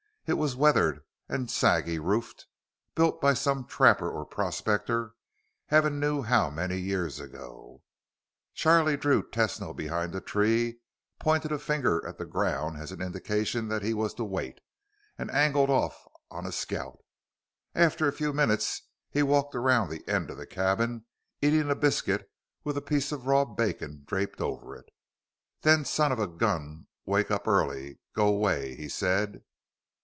It was weathered and saggy roofed, built by some trapper or prospector heaven knew how many years ago. Charlie drew Tesno behind a tree, pointed a finger at the ground as an indication that he was to wait, and angled off on a scout. After a few minutes he walked around the end of the cabin, eating a biscuit with a piece of raw bacon draped over it. "Them son of a gun wake up early. Go 'way," he said.